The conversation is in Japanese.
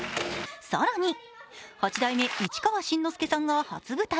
更に八代目市川新之助さんが初舞台。